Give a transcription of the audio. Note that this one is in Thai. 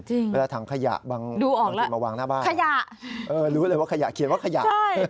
จริงดูออกแล้วขยะเออรู้เลยว่าขยะเขียนว่าขยะใช่